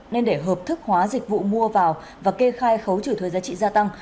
nên để hợp thức hóa dịch vụ mua vào và kê khai khấu trừ thuế giá trị gia tăng